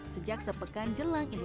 sejak sepekan jelang ibu kurban